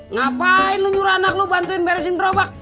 ngapain lu nyuruh anak lu bantuin beresin berobak